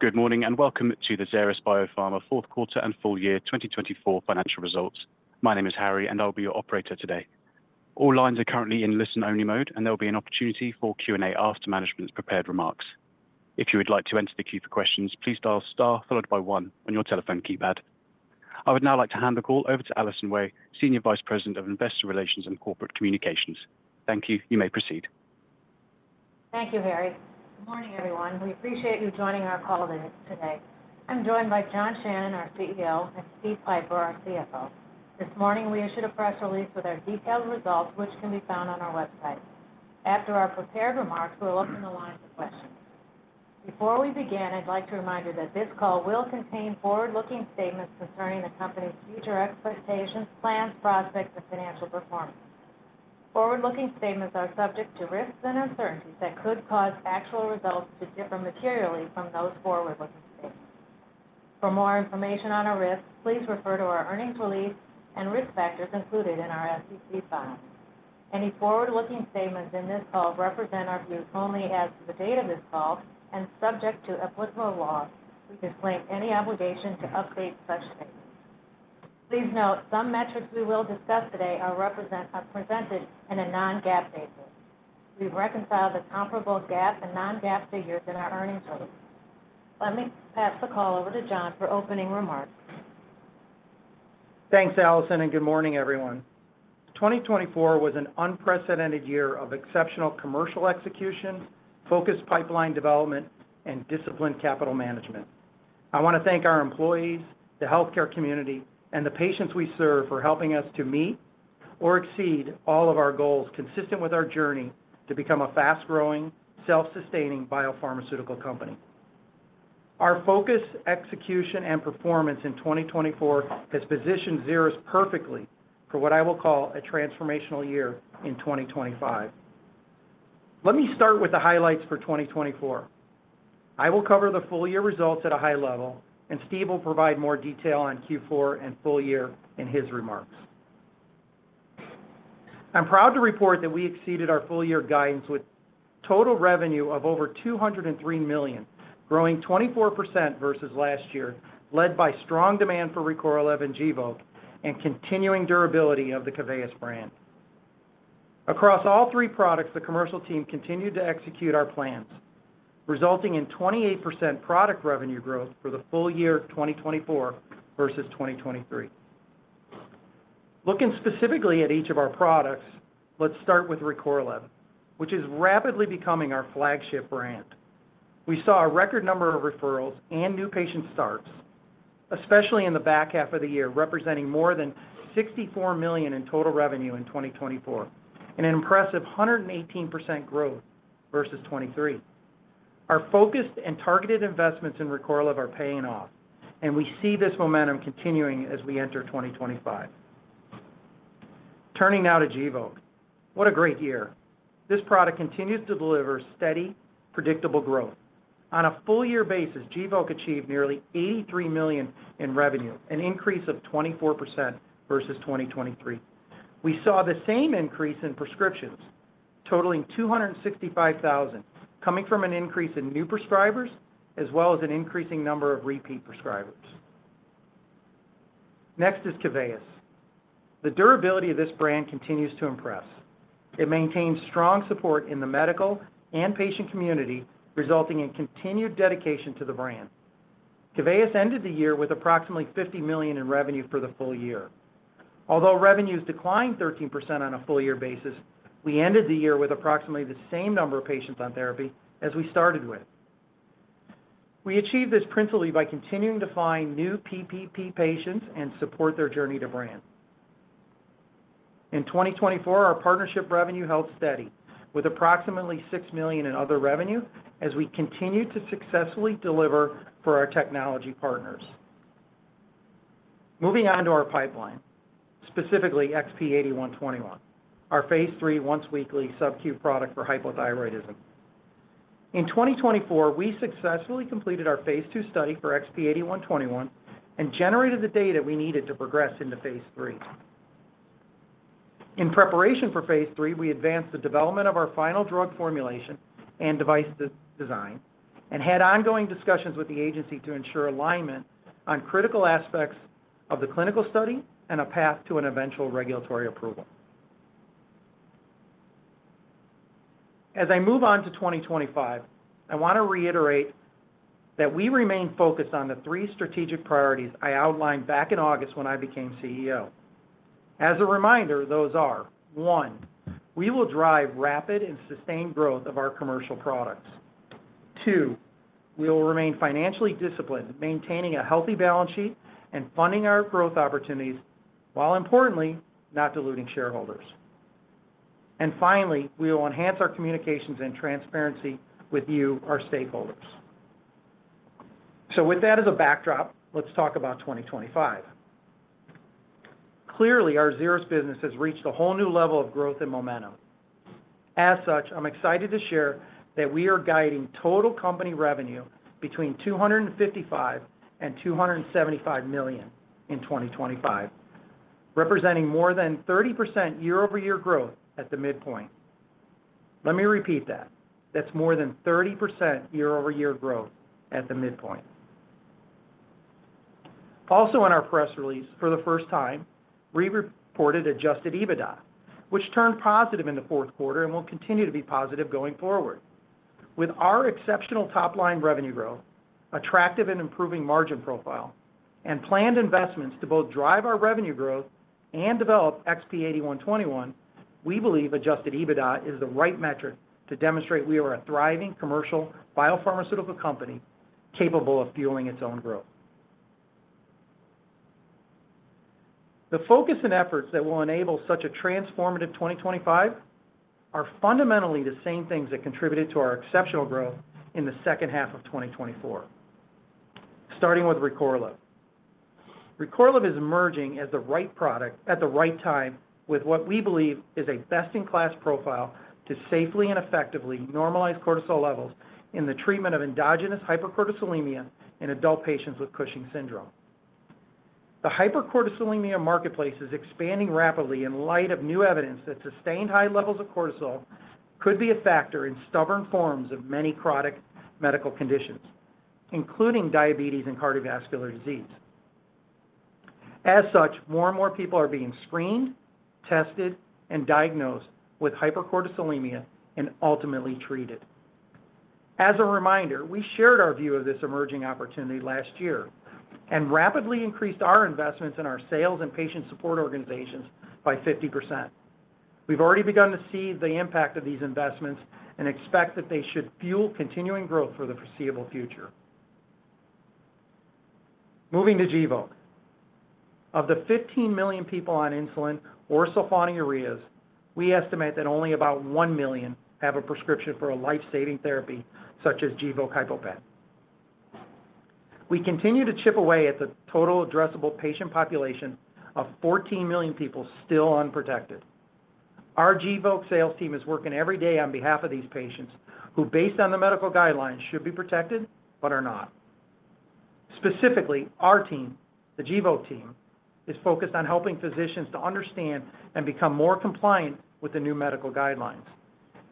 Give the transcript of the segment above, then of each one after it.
Good morning and welcome to the Xeris Biopharma Fourth Quarter and Full Year 2024 Financial Results. My name is Harry, and I'll be your operator today. All lines are currently in listen-only mode, and there will be an opportunity for Q&A after management's prepared remarks. If you would like to enter the queue for questions, please dial star followed by one on your telephone keypad. I would now like to hand the call over to Alison Wey, Senior Vice President of Investor Relations and Corporate Communications. Thank you, you may proceed. Thank you, Harry. Good morning, everyone. We appreciate you joining our call today. I'm joined by John Shannon, our CEO, and Steve Pieper, our CFO. This morning, we issued a press release with our detailed results, which can be found on our website. After our prepared remarks, we'll open the lines for questions. Before we begin, I'd like to remind you that this call will contain forward-looking statements concerning the company's future expectations, plans, prospects, and financial performance. Forward-looking statements are subject to risks and uncertainties that could cause actual results to differ materially from those forward-looking statements. For more information on our risks, please refer to our earnings release and risk factors included in our SEC file. Any forward-looking statements in this call represent our views only as of the date of this call and subject to applicable law. We disclaim any obligation to update such statements. Please note some metrics we will discuss today are presented in a non-GAAP basis. We've reconciled the comparable GAAP and non-GAAP figures in our earnings release. Let me pass the call over to John for opening remarks. Thanks, Alison, and good morning, everyone. 2024 was an unprecedented year of exceptional commercial execution, focused pipeline development, and disciplined capital management. I want to thank our employees, the healthcare community, and the patients we serve for helping us to meet or exceed all of our goals consistent with our journey to become a fast-growing, self-sustaining biopharmaceutical company. Our focus, execution, and performance in 2024 has positioned Xeris perfectly for what I will call a transformational year in 2025. Let me start with the highlights for 2024. I will cover the full-year results at a high level, and Steve will provide more detail on Q4 and full year in his remarks. I'm proud to report that we exceeded our full-year guidance with total revenue of over $203 million, growing 24% versus last year, led by strong demand for Recorlev, Gvoke, and continuing durability of the Keveyis brand. Across all three products, the commercial team continued to execute our plans, resulting in 28% product revenue growth for the full year 2024 versus 2023. Looking specifically at each of our products, let's start with Recorlev, which is rapidly becoming our flagship brand. We saw a record number of referrals and new patient starts, especially in the back half of the year, representing more than $64 million in total revenue in 2024, and an impressive 118% growth versus 2023. Our focused and targeted investments in Recorlev are paying off, and we see this momentum continuing as we enter 2025. Turning now to Gvoke, what a great year. This product continues to deliver steady, predictable growth. On a full year basis, Gvoke achieved nearly $83 million in revenue, an increase of 24% versus 2023. We saw the same increase in prescriptions, totaling $265,000, coming from an increase in new prescribers as well as an increasing number of repeat prescribers. Next is Keveyis. The durability of this brand continues to impress. It maintains strong support in the medical and patient community, resulting in continued dedication to the brand. Keveyis ended the year with approximately $50 million in revenue for the full year. Although revenues declined 13% on a full-year basis, we ended the year with approximately the same number of patients on therapy as we started with. We achieved this principally by continuing to find new PPP patients and support their journey to brand. In 2024, our partnership revenue held steady with approximately $6 million in other revenue as we continued to successfully deliver for our technology partners. Moving on to our pipeline, specifically XP-8121, our phase three, once-weekly sub-queue product for hypothyroidism. In 2024, we successfully completed our phase two study for XP-8121 and generated the data we needed to progress into phase three. In preparation for phase three, we advanced the development of our final drug formulation and device design and had ongoing discussions with the agency to ensure alignment on critical aspects of the clinical study and a path to an eventual regulatory approval. As I move on to 2025, I want to reiterate that we remain focused on the three strategic priorities I outlined back in August when I became CEO. As a reminder, those are: one, we will drive rapid and sustained growth of our commercial products. Two, we will remain financially disciplined, maintaining a healthy balance sheet and funding our growth opportunities while, importantly, not diluting shareholders. Finally, we will enhance our communications and transparency with you, our stakeholders. With that as a backdrop, let's talk about 2025. Clearly, our Xeris business has reached a whole new level of growth and momentum. As such, I'm excited to share that we are guiding total company revenue between $255 million and $275 million in 2025, representing more than 30% year-over-year growth at the midpoint. Let me repeat that. That's more than 30% year-over-year growth at the midpoint. Also, in our press release, for the first time, we reported adjusted EBITDA, which turned positive in the fourth quarter and will continue to be positive going forward. With our exceptional top-line revenue growth, attractive and improving margin profile, and planned investments to both drive our revenue growth and develop XP-8121, we believe adjusted EBITDA is the right metric to demonstrate we are a thriving commercial biopharmaceutical company capable of fueling its own growth. The focus and efforts that will enable such a transformative 2025 are fundamentally the same things that contributed to our exceptional growth in the second half of 2024, starting with Recorlev. Recorlev is emerging as the right product at the right time with what we believe is a best-in-class profile to safely and effectively normalize cortisol levels in the treatment of endogenous hypercortisolemia in adult patients with Cushing's syndrome. The hypercortisolemia marketplace is expanding rapidly in light of new evidence that sustained high levels of cortisol could be a factor in stubborn forms of many chronic medical conditions, including diabetes and cardiovascular disease. As such, more and more people are being screened, tested, and diagnosed with hypercortisolemia and ultimately treated. As a reminder, we shared our view of this emerging opportunity last year and rapidly increased our investments in our sales and patient support organizations by 50%. We've already begun to see the impact of these investments and expect that they should fuel continuing growth for the foreseeable future. Moving to Gvoke. Of the 15 million people on insulin or sulfonylureas, we estimate that only about 1 million have a prescription for a life-saving therapy such as Gvoke HypoPen. We continue to chip away at the total addressable patient population of 14 million people still unprotected. Our Gvoke sales team is working every day on behalf of these patients who, based on the medical guidelines, should be protected but are not. Specifically, our team, the Gvoke team, is focused on helping physicians to understand and become more compliant with the new medical guidelines.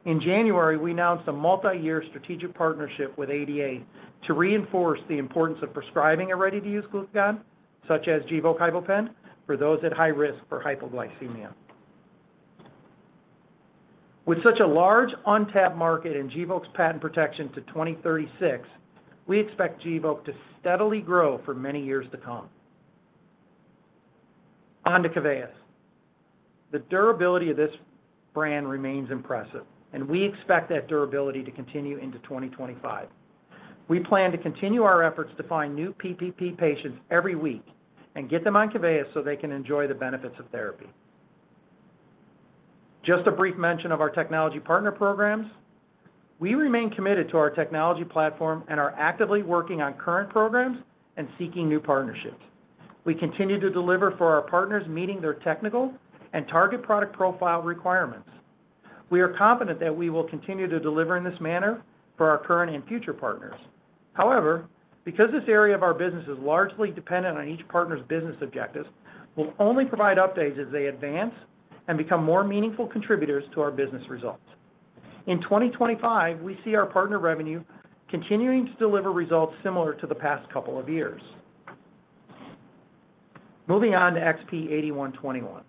In January, we announced a multi-year strategic partnership with ADA to reinforce the importance of prescribing a ready-to-use glucagon, such as Gvoke HypoPen, for those at high risk for hypoglycemia. With such a large untapped market and Gvoke's patent protection to 2036, we expect Gvoke to steadily grow for many years to come. On to Keveyis. The durability of this brand remains impressive, and we expect that durability to continue into 2025. We plan to continue our efforts to find new PPP patients every week and get them on Keveyis so they can enjoy the benefits of therapy. Just a brief mention of our technology partner programs. We remain committed to our technology platform and are actively working on current programs and seeking new partnerships. We continue to deliver for our partners, meeting their technical and target product profile requirements. We are confident that we will continue to deliver in this manner for our current and future partners. However, because this area of our business is largely dependent on each partner's business objectives, we'll only provide updates as they advance and become more meaningful contributors to our business results. In 2025, we see our partner revenue continuing to deliver results similar to the past couple of years. Moving on to XP-8121.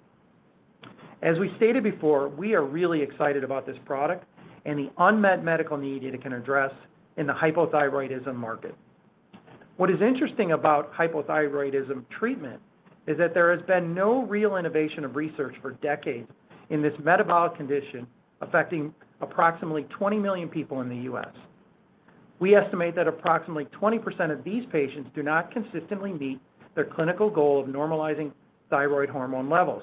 As we stated before, we are really excited about this product and the unmet medical need it can address in the hypothyroidism market. What is interesting about hypothyroidism treatment is that there has been no real innovation or research for decades in this metabolic condition affecting approximately 20 million people in the U.S. We estimate that approximately 20% of these patients do not consistently meet their clinical goal of normalizing thyroid hormone levels,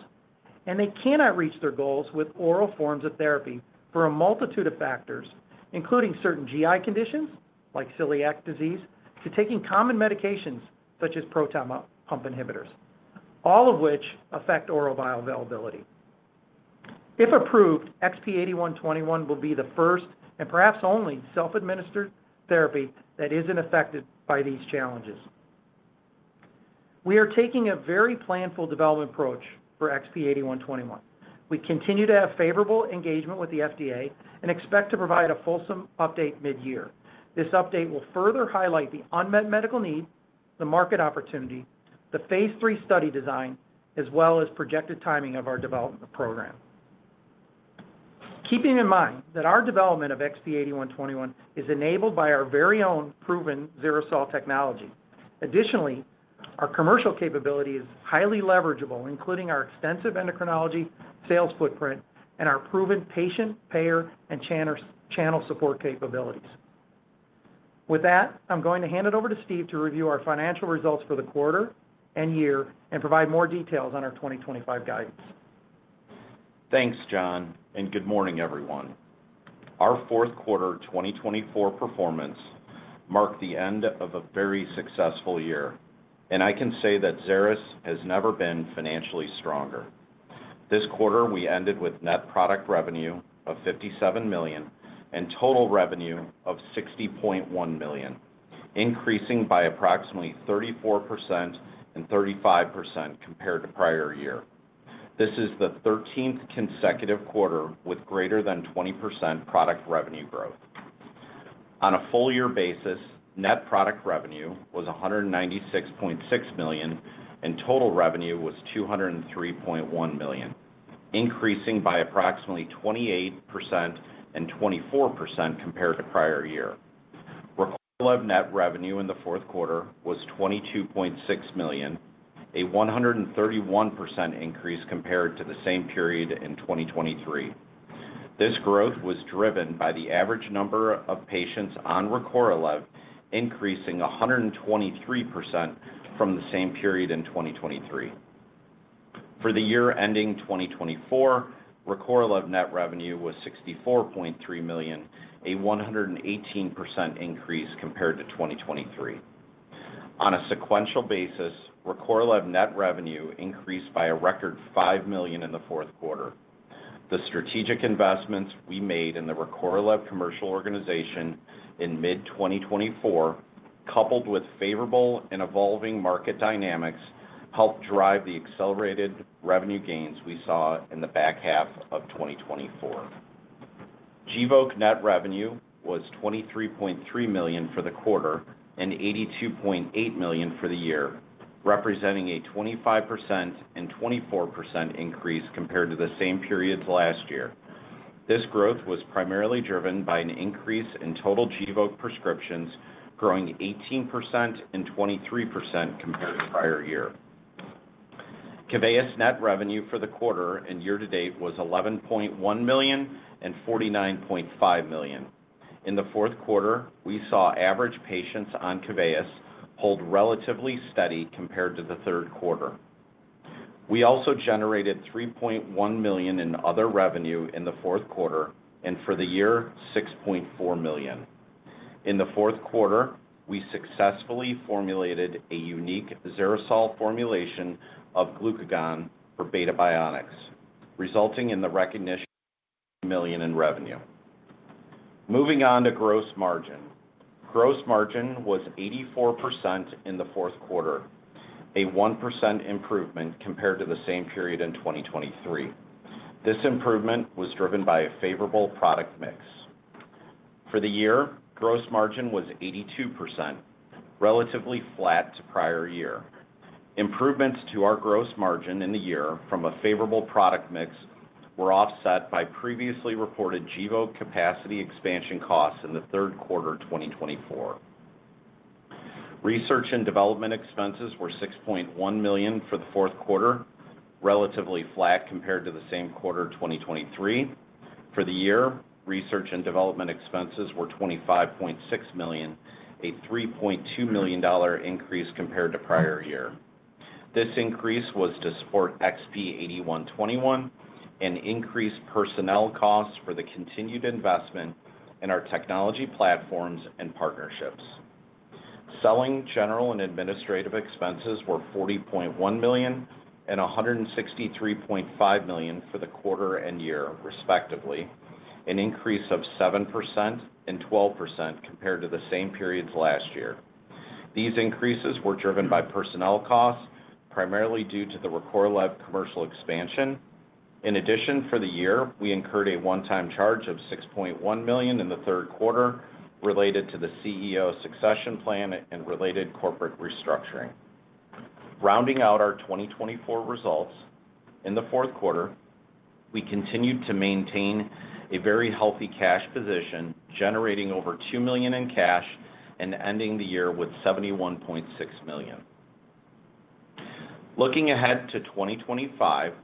and they cannot reach their goals with oral forms of therapy for a multitude of factors, including certain GI conditions like celiac disease, to taking common medications such as proton pump inhibitors, all of which affect oral bioavailability. If approved, XP-8121 will be the first and perhaps only self-administered therapy that isn't affected by these challenges. We are taking a very planful development approach for XP-8121. We continue to have favorable engagement with the FDA and expect to provide a fulsome update mid-year. This update will further highlight the unmet medical need, the market opportunity, the phase three study design, as well as projected timing of our development program. Keeping in mind that our development of XP-8121 is enabled by our very own proven XeriSol technology. Additionally, our commercial capability is highly leverageable, including our extensive endocrinology sales footprint and our proven patient, payer, and channel support capabilities. With that, I'm going to hand it over to Steve to review our financial results for the quarter and year and provide more details on our 2025 guidance. Thanks, John, and good morning, everyone. Our fourth quarter 2024 performance marked the end of a very successful year, and I can say that Xeris has never been financially stronger. This quarter, we ended with net product revenue of $57 million and total revenue of $60.1 million, increasing by approximately 34% and 35% compared to prior year. This is the 13th consecutive quarter with greater than 20% product revenue growth. On a full-year basis, net product revenue was $196.6 million and total revenue was $203.1 million, increasing by approximately 28% and 24% compared to prior year. Recorlev net revenue in the fourth quarter was $22.6 million, a 131% increase compared to the same period in 2023. This growth was driven by the average number of patients on Recorlev, increasing 123% from the same period in 2023. For the year ending 2024, Recorlev net revenue was $64.3 million, a 118% increase compared to 2023. On a sequential basis, Recorlev net revenue increased by a record $5 million in the fourth quarter. The strategic investments we made in the Recorlev commercial organization in mid-2024, coupled with favorable and evolving market dynamics, helped drive the accelerated revenue gains we saw in the back half of 2024. Gvoke net revenue was $23.3 million for the quarter and $82.8 million for the year, representing a 25% and 24% increase compared to the same period last year. This growth was primarily driven by an increase in total Gvoke prescriptions, growing 18% and 23% compared to prior year. Keveyis net revenue for the quarter and year-to-date was $11.1 million and $49.5 million. In the fourth quarter, we saw average patients on Keveyis hold relatively steady compared to the third quarter. We also generated $3.1 million in other revenue in the fourth quarter and for the year, $6.4 million. In the fourth quarter, we successfully formulated a unique XeriSol formulation of glucagon for Beta Bionics, resulting in the recognition of $1 million in revenue. Moving on to gross margin. Gross margin was 84% in the fourth quarter, a 1% improvement compared to the same period in 2023. This improvement was driven by a favorable product mix. For the year, gross margin was 82%, relatively flat to prior year. Improvements to our gross margin in the year from a favorable product mix were offset by previously reported Gvoke capacity expansion costs in the third quarter 2024. Research and development expenses were $6.1 million for the fourth quarter, relatively flat compared to the same quarter 2023. For the year, research and development expenses were $25.6 million, a $3.2 million increase compared to prior year. This increase was to support XP-8121 and increased personnel costs for the continued investment in our technology platforms and partnerships. Selling, general and administrative expenses were $40.1 million and $163.5 million for the quarter and year, respectively, an increase of 7% and 12% compared to the same period last year. These increases were driven by personnel costs, primarily due to the Recorlev commercial expansion. In addition, for the year, we incurred a one-time charge of $6.1 million in the third quarter related to the CEO succession plan and related corporate restructuring. Rounding out our 2024 results, in the fourth quarter, we continued to maintain a very healthy cash position, generating over $2 million in cash and ending the year with $71.6 million. Looking ahead to 2025,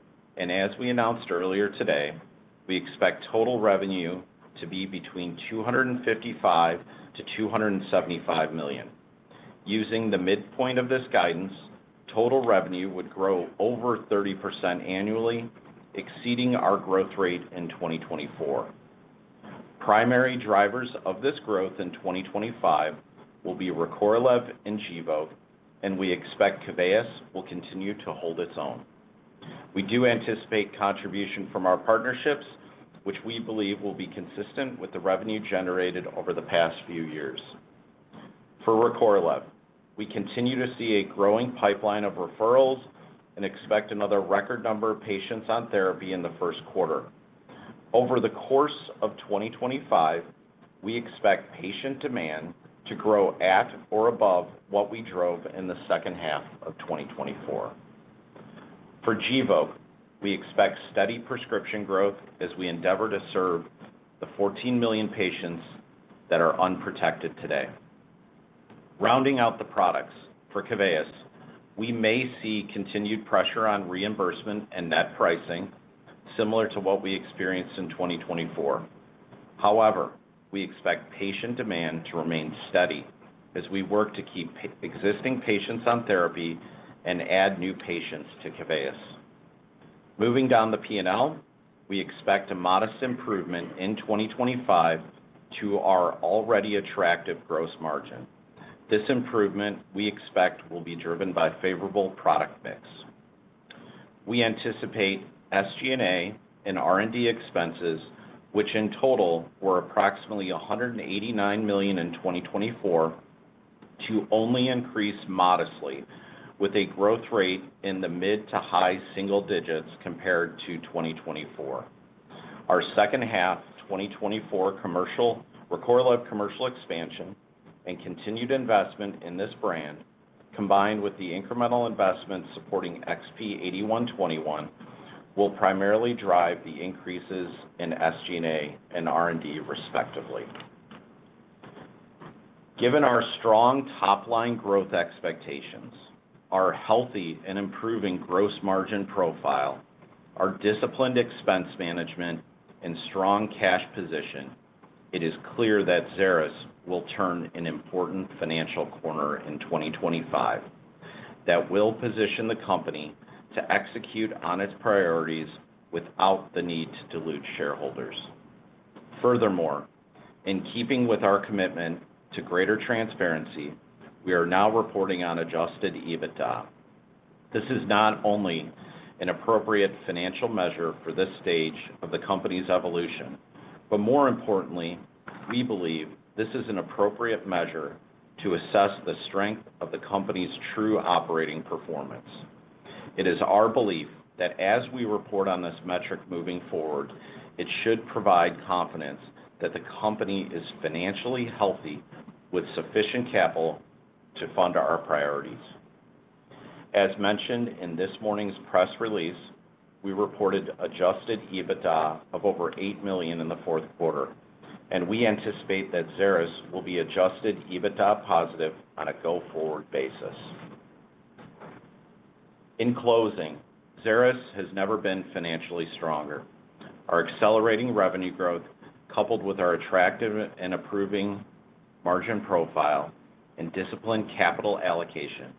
and as we announced earlier today, we expect total revenue to be between $255 million-$275 million. Using the midpoint of this guidance, total revenue would grow over 30% annually, exceeding our growth rate in 2024. Primary drivers of this growth in 2025 will be Recorlev and Gvoke, and we expect Keveyis will continue to hold its own. We do anticipate contribution from our partnerships, which we believe will be consistent with the revenue generated over the past few years. For Recorlev, we continue to see a growing pipeline of referrals and expect another record number of patients on therapy in the first quarter. Over the course of 2025, we expect patient demand to grow at or above what we drove in the second half of 2024. For Gvoke, we expect steady prescription growth as we endeavor to serve the 14 million patients that are unprotected today. Rounding out the products for Keveyis, we may see continued pressure on reimbursement and net pricing, similar to what we experienced in 2024. However, we expect patient demand to remain steady as we work to keep existing patients on therapy and add new patients to Keveyis. Moving down the P&L, we expect a modest improvement in 2025 to our already attractive gross margin. This improvement, we expect, will be driven by a favorable product mix. We anticipate SG&A and R&D expenses, which in total were approximately $189 million in 2024, to only increase modestly, with a growth rate in the mid to high single digits compared to 2024. Our second half 2024 Recorlev commercial expansion and continued investment in this brand, combined with the incremental investment supporting XP-8121, will primarily drive the increases in SG&A and R&D, respectively. Given our strong top-line growth expectations, our healthy and improving gross margin profile, our disciplined expense management, and strong cash position, it is clear that Xeris will turn an important financial corner in 2025 that will position the company to execute on its priorities without the need to dilute shareholders. Furthermore, in keeping with our commitment to greater transparency, we are now reporting on adjusted EBITDA. This is not only an appropriate financial measure for this stage of the company's evolution, but more importantly, we believe this is an appropriate measure to assess the strength of the company's true operating performance. It is our belief that as we report on this metric moving forward, it should provide confidence that the company is financially healthy with sufficient capital to fund our priorities. As mentioned in this morning's press release, we reported adjusted EBITDA of over $8 million in the fourth quarter, and we anticipate that Xeris will be adjusted EBITDA positive on a go-forward basis. In closing, Xeris has never been financially stronger. Our accelerating revenue growth, coupled with our attractive and improving margin profile and disciplined capital allocation,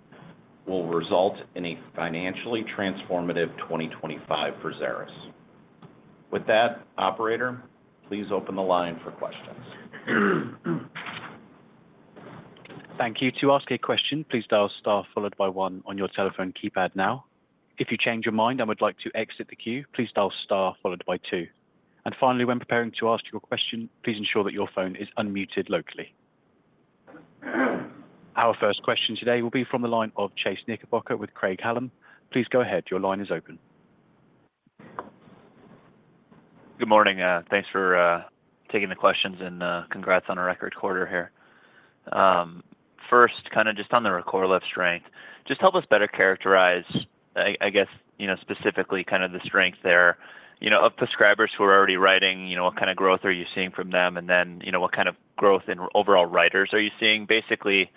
will result in a financially transformative 2025 for Xeris. With that, Operator, please open the line for questions. Thank you. To ask a question, please dial star followed by one on your telephone keypad now. If you change your mind and would like to exit the queue, please dial star followed by two. Finally, when preparing to ask your question, please ensure that your phone is unmuted locally. Our first question today will be from the line of Chase Knickerbocker with Craig-Hallum. Please go ahead. Your line is open. Good morning. Thanks for taking the questions and congrats on a record quarter here. First, kind of just on the Recorlev strength, just help us better characterize, I guess, specifically kind of the strength there of prescribers who are already writing. What kind of growth are you seeing from them? And then what kind of growth in overall writers are you seeing? Basically,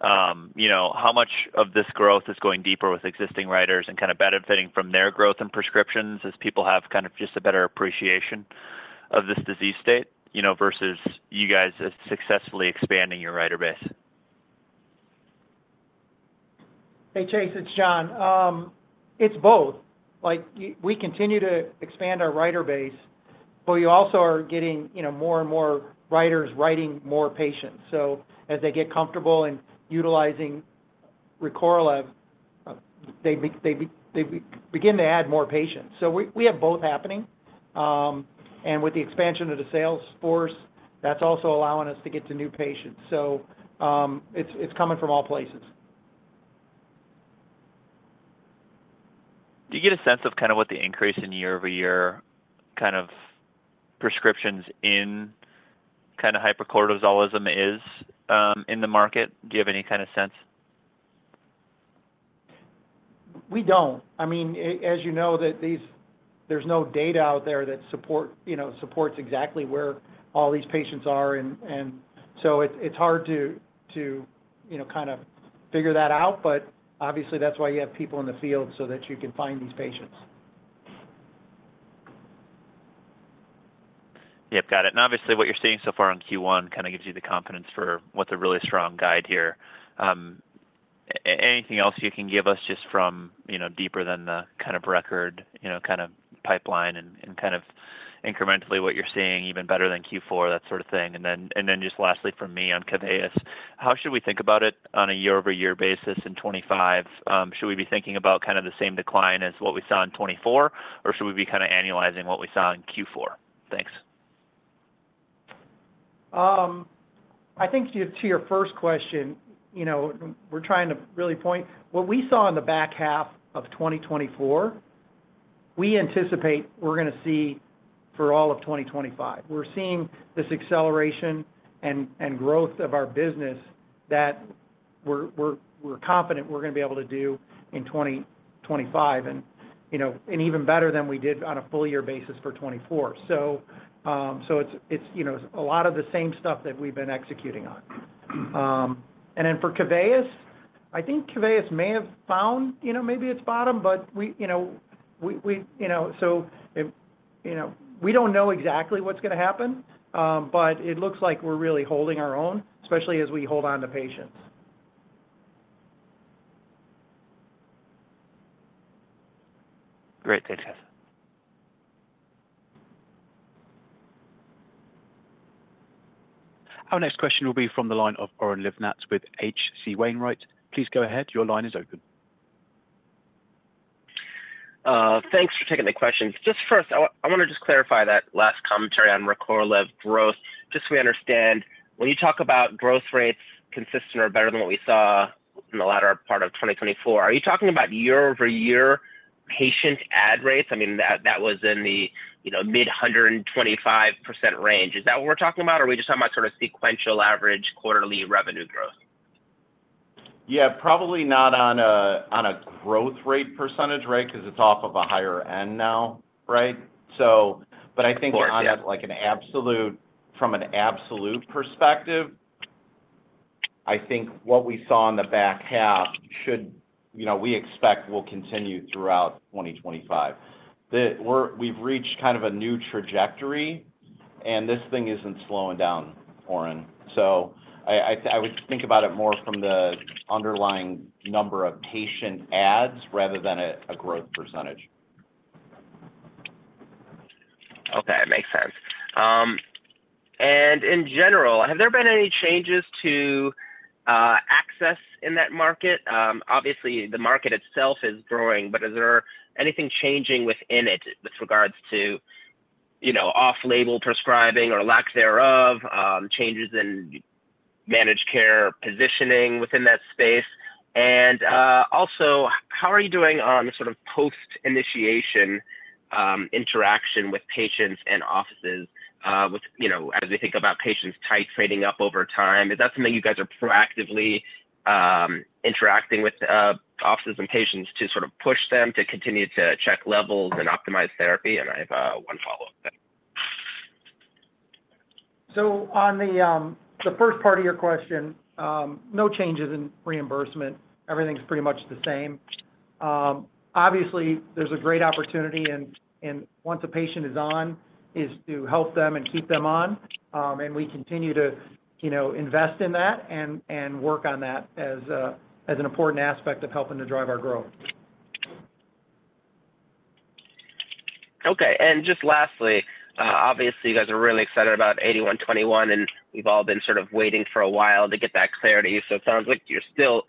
how much of this growth is going deeper with existing writers and kind of benefiting from their growth in prescriptions as people have kind of just a better appreciation of this disease state versus you guys successfully expanding your writer base? Hey, Chase, it's John. It's both. We continue to expand our writer base, but we also are getting more and more writers writing more patients. As they get comfortable in utilizing Recorlev, they begin to add more patients. We have both happening. With the expansion of the sales force, that's also allowing us to get to new patients. It's coming from all places. Do you get a sense of kind of what the increase in year-over-year kind of prescriptions in kind of hypercortisolemia is in the market? Do you have any kind of sense? We don't. I mean, as you know, there's no data out there that supports exactly where all these patients are. It is hard to kind of figure that out, but obviously, that's why you have people in the field so that you can find these patients. Yep, got it. Obviously, what you're seeing so far on Q1 kind of gives you the confidence for what's a really strong guide here. Anything else you can give us just from deeper than the kind of Recorlev pipeline and kind of incrementally what you're seeing even better than Q4, that sort of thing? Lastly from me on Keveyis, how should we think about it on a year-over-year basis in 2025? Should we be thinking about kind of the same decline as what we saw in 2024, or should we be kind of annualizing what we saw in Q4? Thanks. I think to your first question, we're trying to really point what we saw in the back half of 2024, we anticipate we're going to see for all of 2025. We're seeing this acceleration in growth of our business that we're confident we're going to be able to do in 2025 and even better than we did on a full year basis for 2024. It is a lot of the same stuff that we've been executing on. For Keveyis, I think Keveyis may have found maybe its bottom, but we do not know exactly what's going to happen, but it looks like we're really holding our own, especially as we hold on to patients. Great. Thanks, guys. Our next question will be from the line of Oren Livnat with H.C. Wainwright. Please go ahead. Your line is open. Thanks for taking the question. Just first, I want to just clarify that last commentary on Recorlev growth. Just so we understand, when you talk about growth rates consistent or better than what we saw in the latter part of 2024, are you talking about year-over-year patient add rates? I mean, that was in the mid-125% range. Is that what we're talking about, or are we just talking about sort of sequential average quarterly revenue growth? Yeah, probably not on a growth rate percentage, right, because it's off of a higher end now, right? But I think on an absolute, from an absolute perspective, I think what we saw in the back half should, we expect, will continue throughout 2025. We've reached kind of a new trajectory, and this thing isn't slowing down, Aaron. So I would think about it more from the underlying number of patient adds rather than a growth percentage. Okay. That makes sense. In general, have there been any changes to access in that market? Obviously, the market itself is growing, but is there anything changing within it with regards to off-label prescribing or lack thereof, changes in managed care positioning within that space? Also, how are you doing on sort of post-initiation interaction with patients and offices as we think about patients titrating up over time? Is that something you guys are proactively interacting with offices and patients to sort of push them to continue to check levels and optimize therapy? I have one follow up there. On the first part of your question, no changes in reimbursement. Everything's pretty much the same. Obviously, there's a great opportunity, and once a patient is on, is to help them and keep them on. We continue to invest in that and work on that as an important aspect of helping to drive our growth. Okay. Just lastly, obviously, you guys are really excited about 8121, and we've all been sort of waiting for a while to get that clarity. It sounds like you're still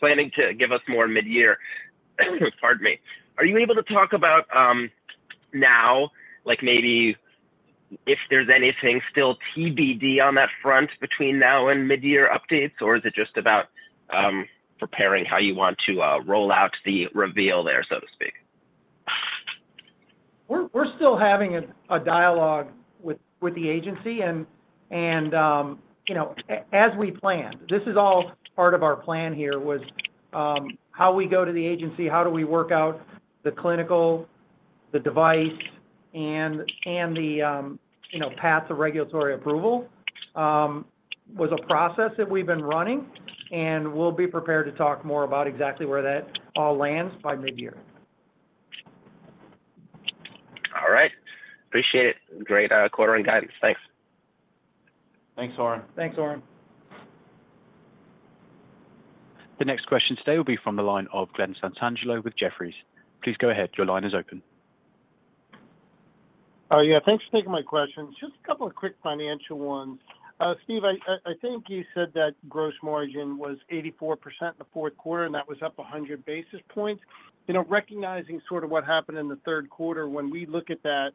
planning to give us more mid-year. Pardon me. Are you able to talk about now, maybe if there's anything still TBD on that front between now and mid-year updates, or is it just about preparing how you want to roll out the reveal there, so to speak? We're still having a dialogue with the agency. As we planned, this is all part of our plan here was how we go to the agency, how do we work out the clinical, the device, and the path to regulatory approval was a process that we've been running. We'll be prepared to talk more about exactly where that all lands by mid-year. All right. Appreciate it. Great quarter and guidance. Thanks. Thanks, Oren. Thanks, Oren. The next question today will be from the line of Glen Santangelo with Jefferies. Please go ahead. Your line is open. Yeah. Thanks for taking my questions. Just a couple of quick financial ones. Steve, I think you said that gross margin was 84% in the fourth quarter, and that was up 100 basis points. Recognizing sort of what happened in the third quarter, when we look at that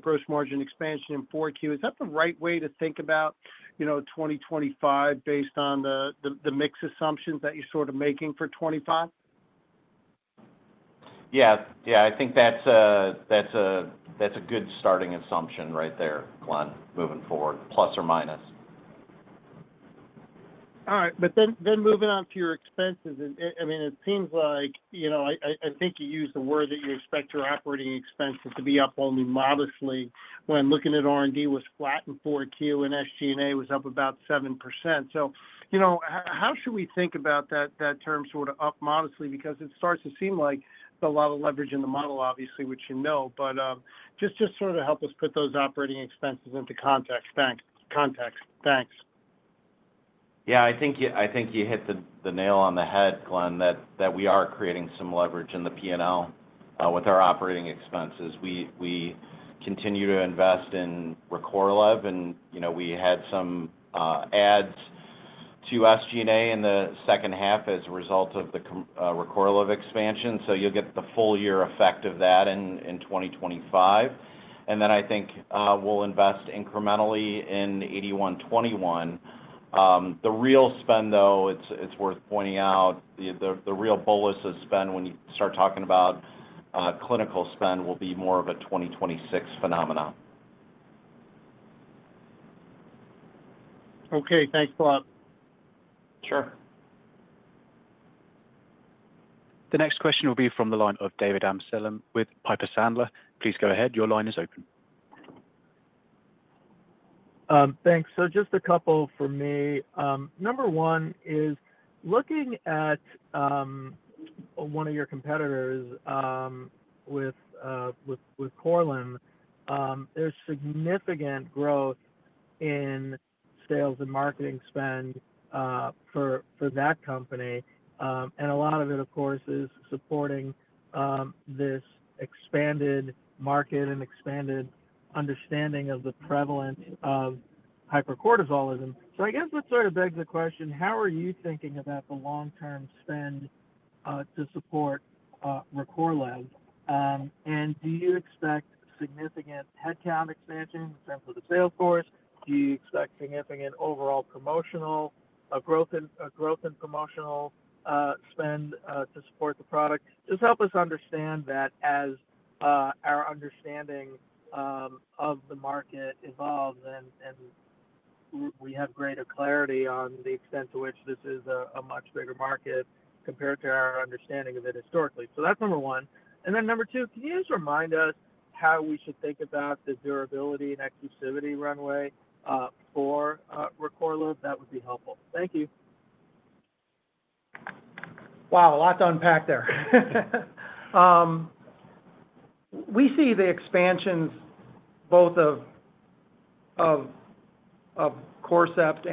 gross margin expansion in fourth quarter, is that the right way to think about 2025 based on the mix assumptions that you're sort of making for 2025? Yeah. Yeah. I think that's a good starting assumption right there, Glen, moving forward, plus or minus. All right. But then moving on to your expenses, I mean, it seems like I think you used the word that you expect your operating expenses to be up only modestly when looking at R&D was flat in Q4 and SG&A was up about 7%. So how should we think about that term sort of up modestly? Because it starts to seem like there's a lot of leverage in the model, obviously, which you know. But just sort of help us put those operating expenses into context. Thanks. Yeah. I think you hit the nail on the head, Glen, that we are creating some leverage in the P&L with our operating expenses. We continue to invest in Recorlev, and we had some adds to SG&A in the second half as a result of the Recorlev expansion. You'll get the full year effect of that in 2025. I think we'll invest incrementally in 8121. The real spend, though, it's worth pointing out, the real bolus of spend when you start talking about clinical spend will be more of a 2026 phenomenon. Okay. Thanks, Bob. Sure. The next question will be from the line of David Amsellem with Piper Sandler. Please go ahead. Your line is open. Thanks. Just a couple for me. Number one is looking at one of your competitors with Corlyn, there's significant growth in sales and marketing spend for that company. A lot of it, of course, is supporting this expanded market and expanded understanding of the prevalence of hypercortisolemia. I guess that sort of begs the question, how are you thinking about the long-term spend to support Recorlev? Do you expect significant headcount expansion in terms of the sales force? Do you expect significant overall promotional growth and promotional spend to support the product? Just help us understand that as our understanding of the market evolves and we have greater clarity on the extent to which this is a much bigger market compared to our understanding of it historically. That's number one. Number two, can you just remind us how we should think about the durability and exclusivity runway for Recorlev? That would be helpful. Thank you. Wow. A lot to unpack there. We see the expansions both of Corcept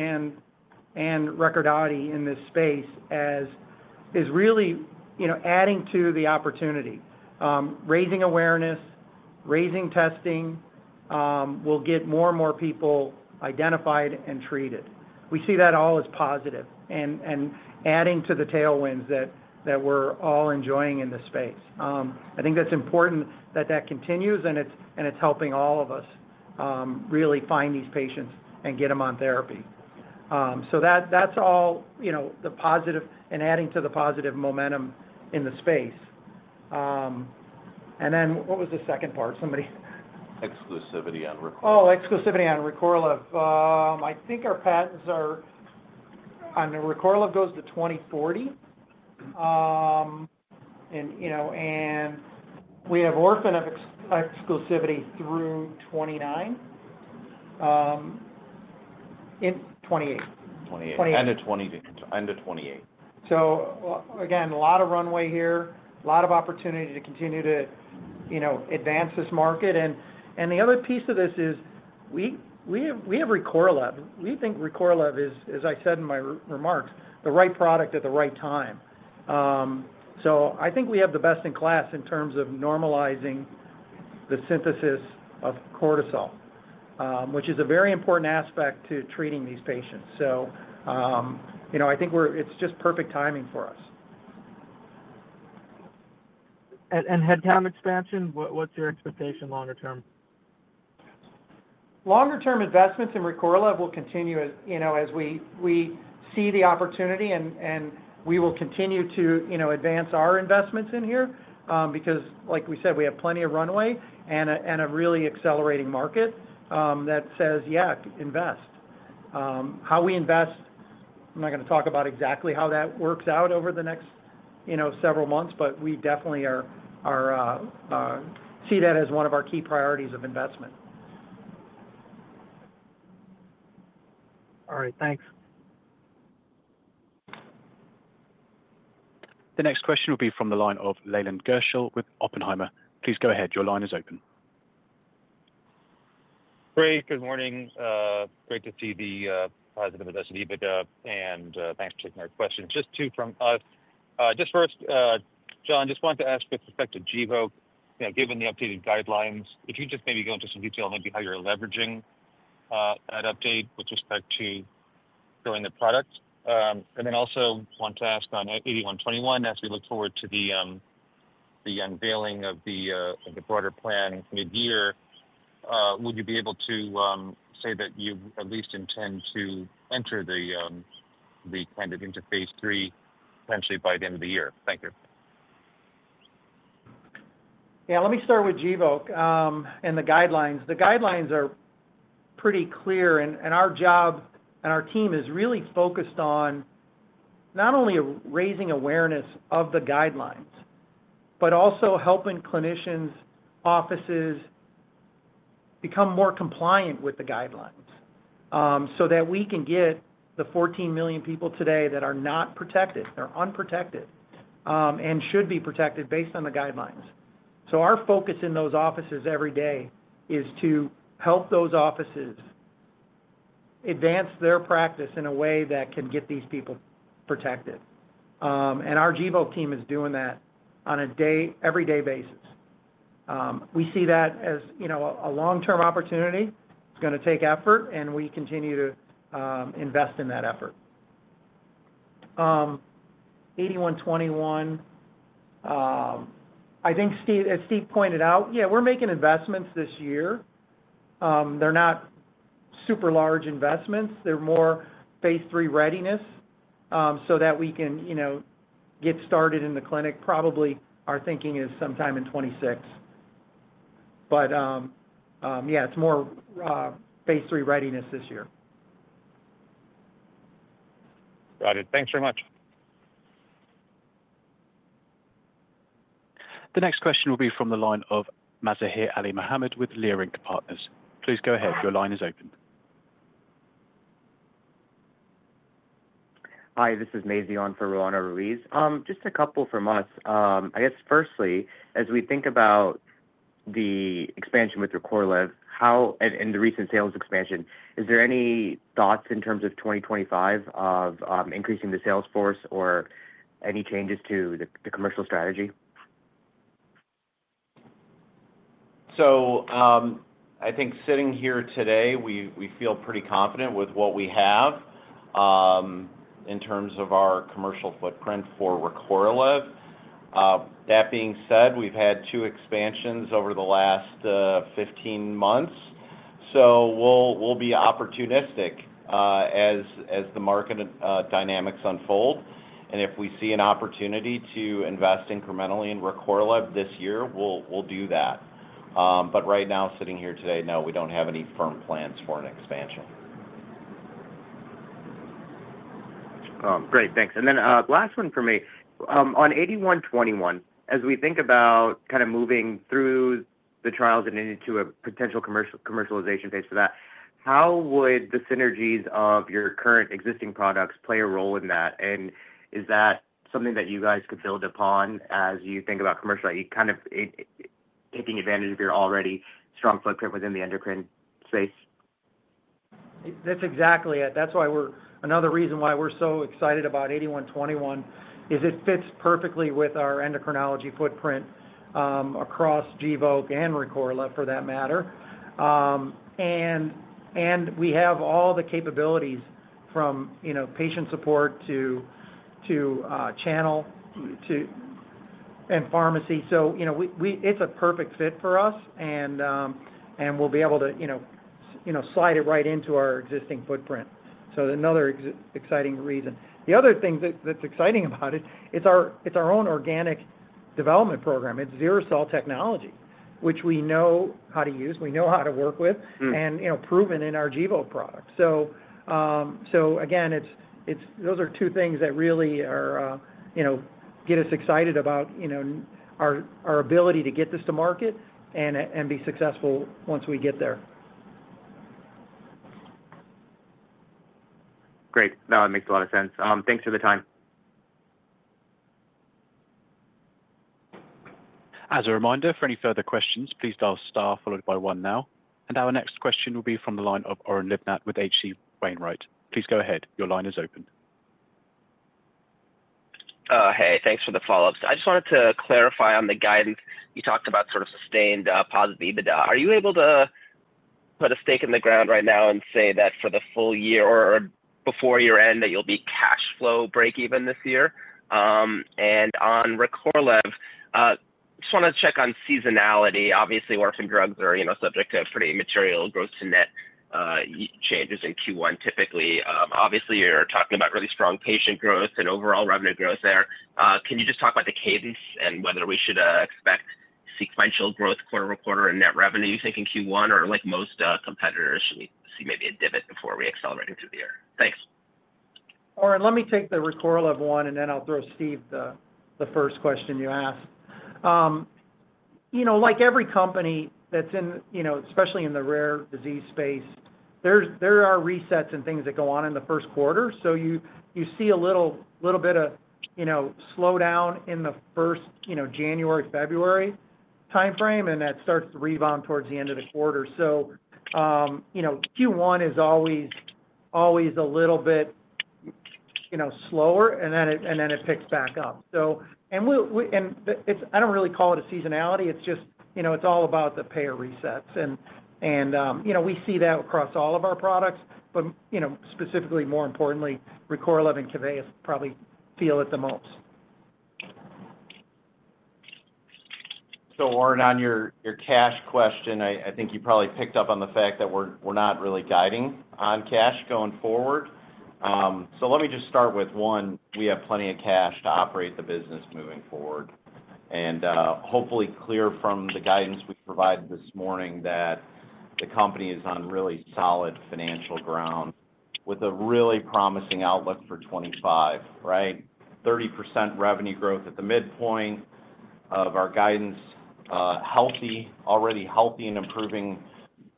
and Recordati in this space as really adding to the opportunity, raising awareness, raising testing. We'll get more and more people identified and treated. We see that all as positive and adding to the tailwinds that we're all enjoying in this space. I think that's important that that continues, and it's helping all of us really find these patients and get them on therapy. That is all the positive and adding to the positive momentum in the space. What was the second part? Somebody. Exclusivity on Recorlev. Oh, exclusivity on Recorlev. I think our patents are on Recorlev goes to 2040, and we have orphan exclusivity through 2029, 2028. 2028, end of 2028. Again, a lot of runway here, a lot of opportunity to continue to advance this market. The other piece of this is we have Recorlev. We think Recorlev is, as I said in my remarks, the right product at the right time. I think we have the best in class in terms of normalizing the synthesis of cortisol, which is a very important aspect to treating these patients. I think it's just perfect timing for us. Headcount expansion, what's your expectation longer term? Longer-term investments in Recorlev will continue as we see the opportunity, and we will continue to advance our investments in here because, like we said, we have plenty of runway and a really accelerating market that says, "Yeah, invest." How we invest, I'm not going to talk about exactly how that works out over the next several months, but we definitely see that as one of our key priorities of investment. All right. Thanks. The next question will be from the line of Leland Gershell with Oppenheimer. Please go ahead. Your line is open. Great. Good morning. Great to see the positive EBITDA and thanks for taking our questions. Just two from us. Just first, John, just wanted to ask with respect to Gvoke, given the updated guidelines, if you could just maybe go into some detail on maybe how you're leveraging that update with respect to growing the product. Also want to ask on 8121, as we look forward to the unveiling of the broader plan mid-year, would you be able to say that you at least intend to enter the kind of into phase three potentially by the end of the year? Thank you. Yeah. Let me start with Gvoke and the guidelines. The guidelines are pretty clear, and our job and our team is really focused on not only raising awareness of the guidelines, but also helping clinicians' offices become more compliant with the guidelines so that we can get the 14 million people today that are not protected, they're unprotected, and should be protected based on the guidelines. Our focus in those offices every day is to help those offices advance their practice in a way that can get these people protected. Our Gvoke team is doing that on an everyday basis. We see that as a long-term opportunity. It's going to take effort, and we continue to invest in that effort. XP-8121, I think Steve pointed out, yeah, we're making investments this year. They're not super large investments. They're more phase three readiness so that we can get started in the clinic. Probably our thinking is sometime in 2026. Yeah, it's more phase III readiness this year. Got it. Thanks very much. The next question will be from the line of Mazahir Alimohamed with Leerink Partners. Please go ahead. Your line is open. Hi. This is [Mazi] on for Ruanna Ruiz. Just a couple from us. I guess firstly, as we think about the expansion with Recorlev and the recent sales expansion, is there any thoughts in terms of 2025 of increasing the sales force or any changes to the commercial strategy? I think sitting here today, we feel pretty confident with what we have in terms of our commercial footprint for Recorlev. That being said, we've had two expansions over the last 15 months. We'll be opportunistic as the market dynamics unfold. If we see an opportunity to invest incrementally in Recorlev this year, we'll do that. Right now, sitting here today, no, we don't have any firm plans for an expansion. Great. Thanks. Last one for me. On 8121, as we think about kind of moving through the trials and into a potential commercialization phase for that, how would the synergies of your current existing products play a role in that? Is that something that you guys could build upon as you think about commercial, kind of taking advantage of your already strong footprint within the endocrine space? That's exactly it. That's why we're another reason why we're so excited about XP-8121 is it fits perfectly with our endocrinology footprint across Gvoke and Recorlev for that matter. We have all the capabilities from patient support to channel and pharmacy. It is a perfect fit for us, and we'll be able to slide it right into our existing footprint. Another exciting reason. The other thing that's exciting about it, it's our own organic development program. It's XeriSol technology, which we know how to use, we know how to work with, and proven in our Gvoke product. Again, those are two things that really get us excited about our ability to get this to market and be successful once we get there. Great. That makes a lot of sense. Thanks for the time. As a reminder, for any further questions, please dial star followed by one now. Our next question will be from the line of Oren Livnat with H.C. Wainwright. Please go ahead. Your line is open. Hey, thanks for the follow-ups. I just wanted to clarify on the guidance. You talked about sort of sustained positive EBITDA. Are you able to put a stake in the ground right now and say that for the full year or before year-end that you'll be cash flow break-even this year? On Recorlev, just wanted to check on seasonality. Obviously, orphan drugs are subject to pretty material gross-to-net changes in Q1 typically. Obviously, you're talking about really strong patient growth and overall revenue growth there. Can you just talk about the cadence and whether we should expect sequential growth quarter-over-quarter in net revenue, you think, in Q1, or like most competitors, should we see maybe a divot before we accelerate into the year? Thanks. All right. Let me take the Recorlev one, and then I'll throw Steve the first question you asked. Like every company that's in, especially in the rare disease space, there are resets and things that go on in the first quarter. You see a little bit of slowdown in the first January, February timeframe, and that starts to rebound towards the end of the quarter. Q1 is always a little bit slower, and then it picks back up. I don't really call it a seasonality. It's just it's all about the payer resets. We see that across all of our products, but specifically, more importantly, Recorlev and Keveyis probably feel it the most. Oren, on your cash question, I think you probably picked up on the fact that we're not really guiding on cash going forward. Let me just start with one. We have plenty of cash to operate the business moving forward. Hopefully, clear from the guidance we provided this morning that the company is on really solid financial ground with a really promising outlook for 2025, right? 30% revenue growth at the midpoint of our guidance, already healthy and improving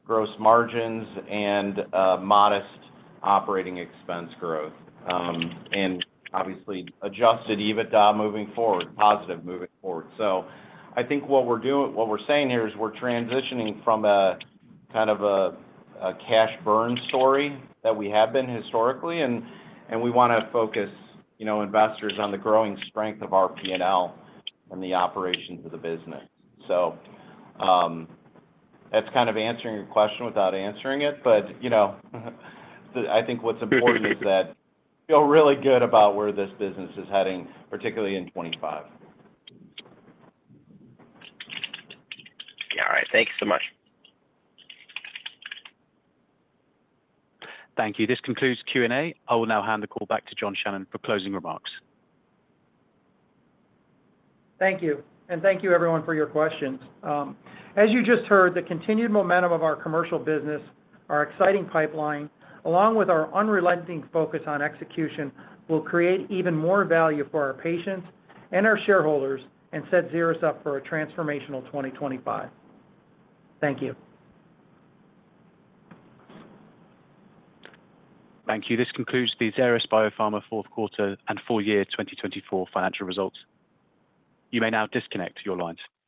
gross margins and modest operating expense growth. Obviously, adjusted EBITDA moving forward, positive moving forward. I think what we're saying here is we're transitioning from a kind of a cash burn story that we have been historically, and we want to focus investors on the growing strength of our P&L and the operations of the business. That's kind of answering your question without answering it, but I think what's important is that we feel really good about where this business is heading, particularly in 2025. Yeah. All right. Thanks so much. Thank you. This concludes Q&A. I will now hand the call back to John Shannon for closing remarks. Thank you. Thank you, everyone, for your questions. As you just heard, the continued momentum of our commercial business, our exciting pipeline, along with our unrelenting focus on execution, will create even more value for our patients and our shareholders and set Xeris up for a transformational 2025. Thank you. Thank you. This concludes the Xeris Biopharma Holdings Fourth Quarter and Full Year 2024 financial results. You may now disconnect your lines.